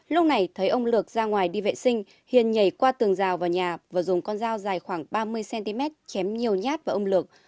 lúc này thấy ông lược ra ngoài đi vệ sinh hiền nhảy qua tường rào vào nhà và dùng con dao dài khoảng ba mươi cm chém nhiều nhát vào ông lược